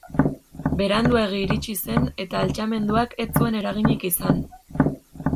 Beranduegi iritsi zen eta altxamenduak ez zuen eraginik izan.